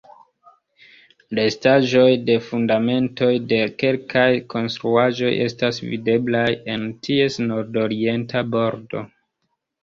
Restaĵoj de fundamentoj de kelkaj konstruaĵoj estas videblaj en ties nordorienta bordo.